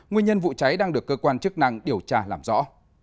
nguyên nhân vụ cháy đang được cơ quan chức năng điều tra làm rõ